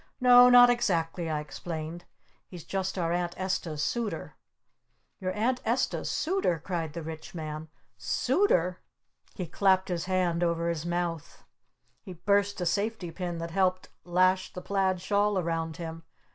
"No, not exactly," I explained. "He's just our Aunt Esta's Suitor!" "Your Aunt Esta's Suitor?" cried the Rich Man. "Suitor?" He clapped his hand over his mouth. He burst a safety pin that helped lash the plaid shawl around him.